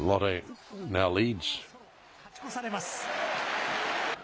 勝ち越されます。